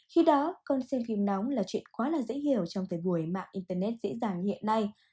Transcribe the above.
khi đó con xem phim nóng là chuyện quá là dễ hiểu trong thời buổi mạng internet dễ dàng hiện nay